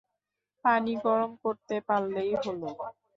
পানি গরম করতে পারলেই হল।